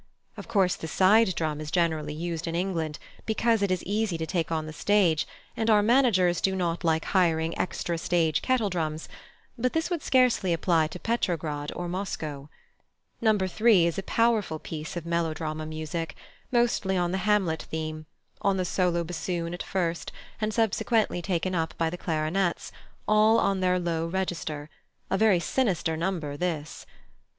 Of course, the side drum is generally used in England, because it is easy to take on the stage, and our managers do not like hiring extra stage kettledrums; but this would scarcely apply to Petrograd or Moscow. No. 3 is a powerful piece of melodrama music, mostly on the Hamlet theme, on the solo bassoon at first, and subsequently taken up by the clarinets, all on their low register: a very sinister number this. No.